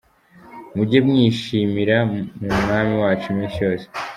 Mujye mwishimira mu Mwami wacu iminsi yose.